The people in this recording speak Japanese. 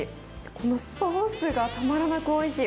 このソースがたまらなくおいしい。